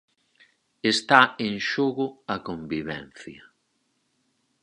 Está en xogo a convivencia.